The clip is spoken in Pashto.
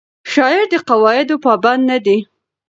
شاعر د قواعدو پابند نه دی.